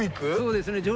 そうですね。